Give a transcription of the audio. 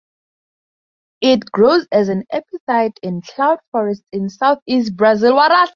It grows as an epiphyte in cloud forests in Southeast Brazil.